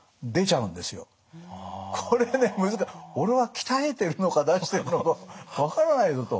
これね俺は鍛えてるのか出してるのか分からないぞと。